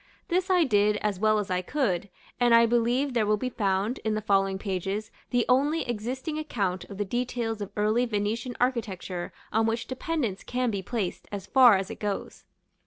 This I did as well as I could, and I believe there will be found, in the following pages, the only existing account of the details of early Venetian architecture on which dependence can be placed, as far as it goes.